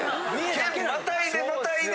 県またいでまたいで！